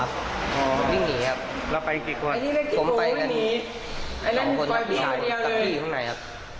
วิ่งหนีครับแล้วไปกี่คนอันนี้มันวิ่งหนีผมไปกันสองคนครับพี่สายกับพี่ข้างในครับ